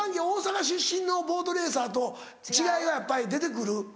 大阪出身のボートレーサーと違いがやっぱり出て来る？